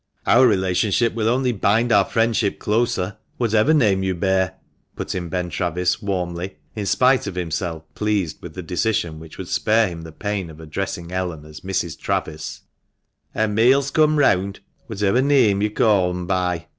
"Our relationship will only bind our friendship closer, whatever name you bear," put in Ben Travis, warmly, in spite of himself TUB MANCHESTER MAN. 419 pleased with the decision which would spare him the pain of addressing Ellen as Mrs. Travis. "An* meals come reawnd whatever neame yo' ca' them by."